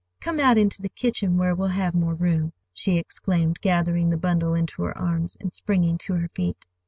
"Come out into the kitchen where we'll have more room," she exclaimed, gathering the bundle into her arms and springing to her feet.